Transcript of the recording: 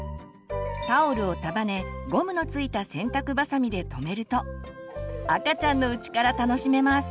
タオルを束ねゴムの付いた洗濯ばさみでとめると赤ちゃんのうちから楽しめます。